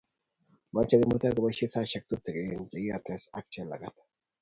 Mochei Kimutai koboishee saishek tutikin che kekates ak Jelagat